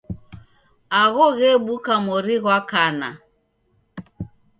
Agho ghebuka mori ghwa kana.